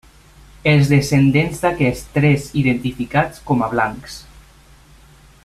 Els descendents d'aquests tres identificats com a blancs.